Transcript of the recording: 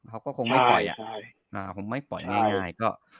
เขาก็คงไม่ปล่อยคงไม่ปล่อยง่ายก็